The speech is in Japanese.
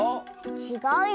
ちがうよ。